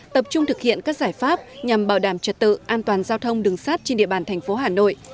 tập trung thực hiện các giải pháp nhằm bảo đảm trật tự an toàn giao thông đường sát trên địa bàn thành phố hà nội